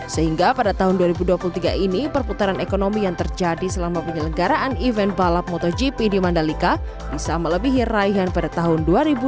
sehingga pada tahun dua ribu dua puluh tiga ini perputaran ekonomi yang terjadi selama penyelenggaraan event balap motogp di mandalika bisa melebihi raihan pada tahun dua ribu dua puluh